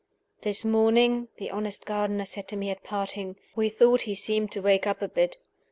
"This morning," the honest gardener said to me at parting, "we thought he seemed to wake up a bit.